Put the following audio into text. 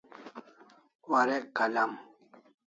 Warek kalam